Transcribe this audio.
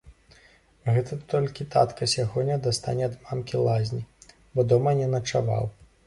Гэта толькі татка сягоння дастане ад мамкі лазні, бо дома не начаваў.